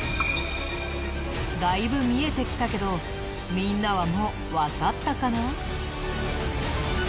だいぶ見えてきたけどみんなはもうわかったかな？